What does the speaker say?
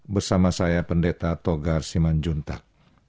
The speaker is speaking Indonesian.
bersama saya pendeta togar siman juntak